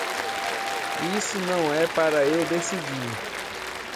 Isso não é para eu decidir.